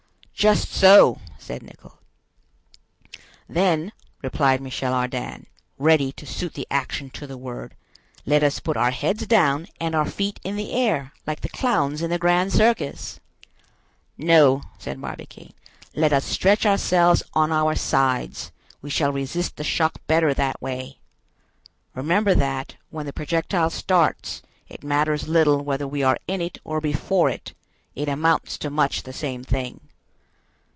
"Just so," said Nicholl. "Then," replied Michel Ardan, ready to suit the action to the word, "let us put our heads down and our feet in the air, like the clowns in the grand circus." "No," said Barbicane, "let us stretch ourselves on our sides; we shall resist the shock better that way. Remember that, when the projectile starts, it matters little whether we are in it or before it; it amounts to much the same thing."